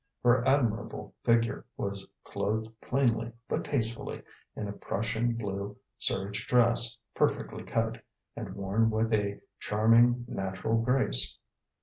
Her admirable figure was clothed plainly, but tastefully, in a Prussian blue serge dress, perfectly cut, and worn with a charming natural grace.